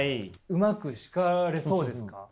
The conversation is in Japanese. うまく叱れそうですか？